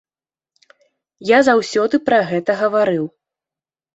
Я заўсёды пра гэта гаварыў.